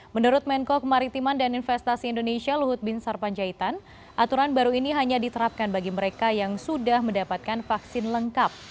menurut menko kemaritiman dan investasi indonesia luhut bin sarpanjaitan aturan baru ini hanya diterapkan bagi mereka yang sudah mendapatkan vaksin lengkap